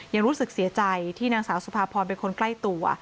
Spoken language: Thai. ยังรู้สึกเสียใจที่นางสาวสุภาพรเป็นคนใกล้ตัว